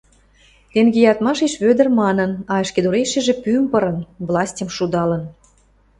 — тенге ядмашеш Вӧдӹр манын, а ӹшкедурешӹжӹ пӱм пырын, властьым шудалын.